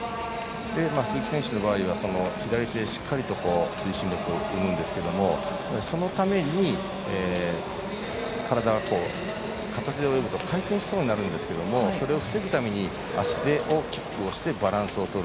鈴木選手の場合は左手でしっかりと推進力を生むんですけどそのために、体が片手で泳ぐと回転しそうになるんですがそれを防ぐために足を大きく動かしてバランスをとる。